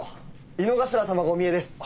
井之頭様がお見えです。